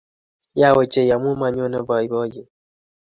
Yaa ochei amu manyone boiboiyet